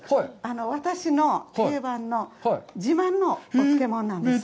私の定番の自慢のお漬物なんです。